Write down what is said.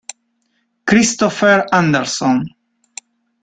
Christoffer Andersson